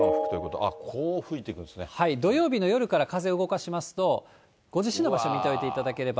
はい、土曜日の夜から風、動かしますと、ご自身の場所、見ておいていただければ。